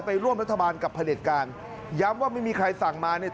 ร่วมรัฐบาลกับพระเด็จการย้ำว่าไม่มีใครสั่งมาเนี่ย